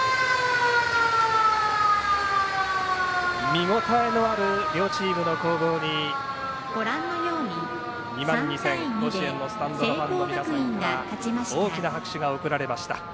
見応えのある両チームの攻防に２万２０００、甲子園のスタンドのファンの皆さんから大きな拍手が送られました。